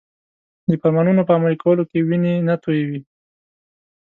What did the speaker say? د فرمانونو په عملي کولو کې وینې نه تویوي.